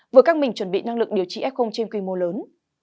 vừa căng mình chuẩn bị năng lực điều trị f trên quy mô lớn